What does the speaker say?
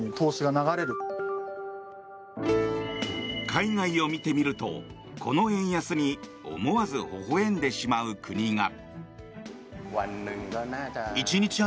海外を見てみるとこの円安に思わずほほ笑んでしまう国が。